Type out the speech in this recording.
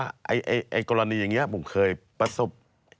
ไอ้กรณีอย่างนี้ผมเคยประสบ